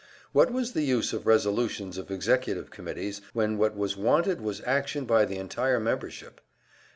What was the use of resolutions of executive committees, when what was wanted was action by the entire membership?